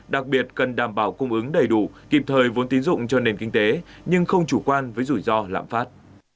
đặc biệt cần đảm bảo cung ứng đầy đủ kịp thời vốn tín dụng cho nền kinh tế nhưng không chủ quan với rủi ro lãm phát